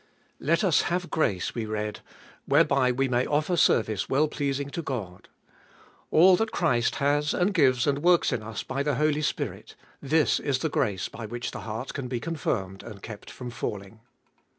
Let us have grace, we read, whereby we may offer service well pleasing to God. All that Christ has and gives and works in us by the Holy Spirit— this is the grace by which the heart can be con firmed, and kept from falling.